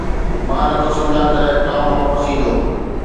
مان نه ٿو سمجهان ته ٽام واپس ايندو.